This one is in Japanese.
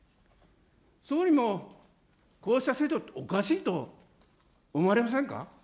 総理もこうした制度、おかしいと思われませんか。